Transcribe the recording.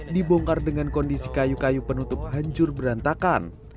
dibongkar dengan kondisi kayu kayu penutup hancur berantakan